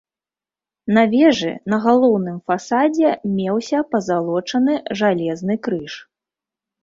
На вежы на галоўным фасадзе меўся пазалочаны жалезны крыж.